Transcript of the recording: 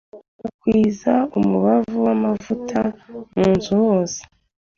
ugakwiza umubavu w'amavuta mu nzu hose